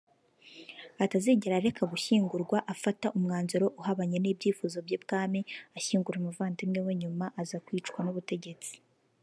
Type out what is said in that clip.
atazigera areka gushyingurwa afata umwanzuro uhabanye n’ibyifuzo by’ibwami ashyingura umuvandimwe we nyuma aza kwicwa n’ubutegetsi